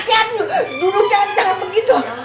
lalu duduk ya jangan begitu